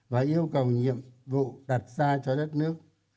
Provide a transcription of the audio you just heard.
và yêu cầu nhiệm vụ đặt ra cho đất nước